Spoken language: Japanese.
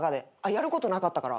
やることなかったから。